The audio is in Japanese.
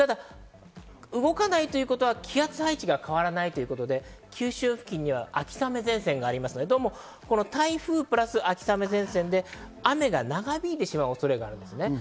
動かないということは気圧配置が変わらないということで、九州付近には秋雨前線がありますので台風プラス秋雨前線で雨が長引いてしまう恐れがあるんですね。